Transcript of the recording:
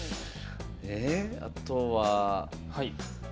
あとは。